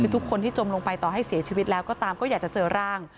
ทุกคนที่จมลงไปต่อให้เสียชีวิตแล้วก็ตามก็อยากจะเจอร่าง